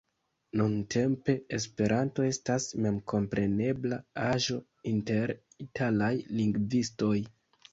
Nuntempe Esperanto estas memkomprenebla aĵo inter italaj lingvistoj.